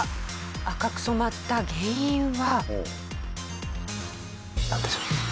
赤く染まった原因は。